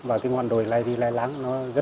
và cái ngọn đồi lai ly lai láng nó rất linh thiêng